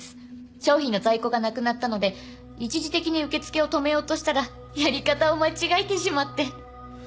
商品の在庫がなくなったので一時的に受け付けを止めようとしたらやり方を間違えてしまって。